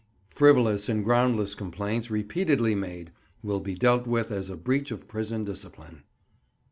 Frivolous and groundless complaints, repeatedly made, will be dealt with as a breach of prison discipline.